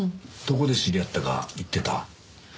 どこで知り合ったか言ってた？